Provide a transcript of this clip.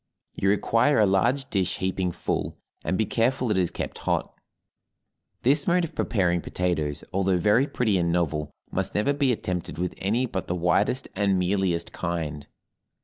You require a large dish heaping full, and be careful it is kept hot. This mode of preparing potatoes, although very pretty and novel, must never be attempted with any but the whitest and mealiest kind.